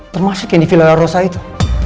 termasuk yang di villa rossa itu